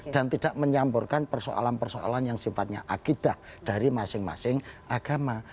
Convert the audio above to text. dan tidak menyamburkan persoalan persoalan yang sifatnya akidah dari masing masing agama